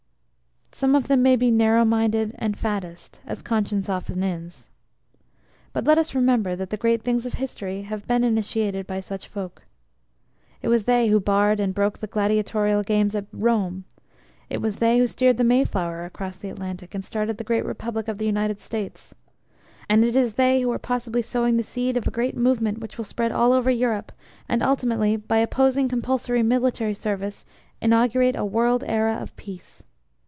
Some of them may, be narrow minded and faddist (as conscience often is), but let us remember that the great things of History have been initiated by such folk. It was they who barred and broke the gladiatorial games at Rome; it was they, who, steered the "Mayflower" across the Atlantic, and started the great Republic of the United States; And it is they, who are possibly sowing the seed a great Movement which will spread all over Europe, and ultimately by opposing compulsory military service inaugurate a world era of Peace.